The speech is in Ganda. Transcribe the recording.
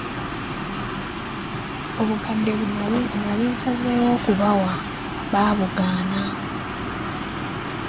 Obukadde butaano bwe nali nsazeewo okubawa baabugaana.